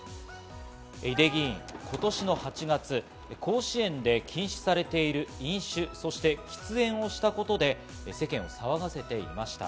井手議員、今年の８月、甲子園で禁止されている飲酒、そして喫煙をしたことで世間を騒がせていました。